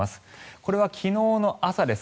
これは昨日の朝です。